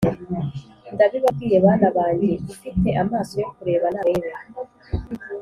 ndabibabwiye bana banjye ufite amaso yo kureba narebe